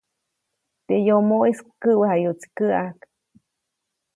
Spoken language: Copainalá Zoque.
Teʼ yomoʼis käʼwejayuʼtsi käʼäjk.